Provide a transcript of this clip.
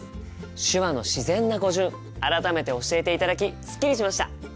手話の自然な語順改めて教えていただきすっきりしました！